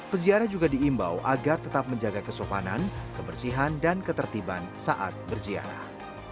peziarah juga diimbau agar tetap menjaga kesopanan kebersihan dan ketertiban saat berziarah